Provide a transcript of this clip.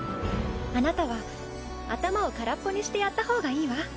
あなたは頭を空っぽにしてやったほうがいいわ。